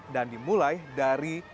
dan dimulai dari